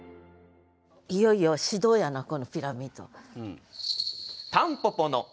いよいよ始動やなこのピラミッド。